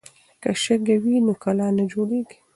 که شګه وي نو کلا نه جوړیږي.